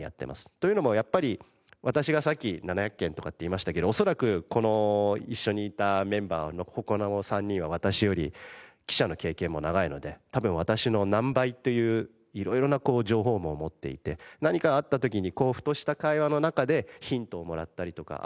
というのもやっぱり私がさっき７００件とかって言いましたけどおそらくこの一緒にいたメンバーのここの３人は私より記者の経験も長いので多分私の何倍という色々な情報網を持っていて何かあった時にこうふとした会話の中でヒントをもらったりとかあ